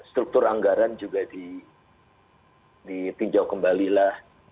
struktur anggaran juga ditinjau kembalilah